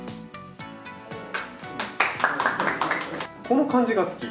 この漢字が好き？